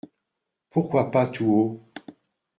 Pourquoi pas tout haut ?